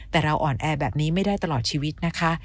แต่เราอ่อนแอแบบนี้ไม่ได้ตลอดชีวิตนะคะ